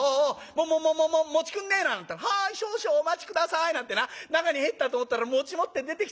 『もももくんねえ』なんてったら『はい少々お待ち下さい』なんて中に入ったと思ったら持って出てきたよ。